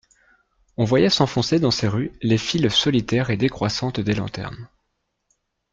On voyait s'enfoncer dans ces rues les files solitaires et décroissantes des lanternes.